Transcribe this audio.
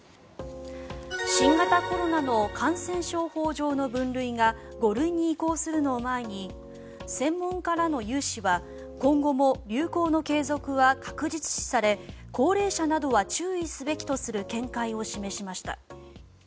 新型コロナの感染症法上の分類が５類に移行するのを前に専門家らの有志は今後も流行の継続は確実視され高齢者などは注意すべきとする見解を示しました。